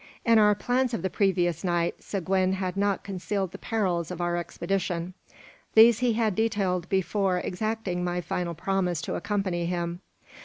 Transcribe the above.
In our plans of the previous night, Seguin had not concealed the perils of our expedition. These he had detailed before exacting my final promise to accompany him.